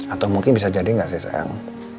atau mungkin bisa jadi nggak sih sayang